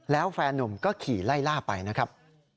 แล้วแฟนนุ่มก็ขี่ไล่ล่าไปนะครับ